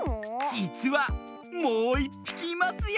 じつはもういっぴきいますよ。